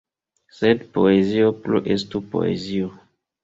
Sed poezio plu estu poezio.